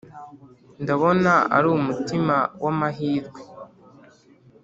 ndabona ari umutima wamahirwe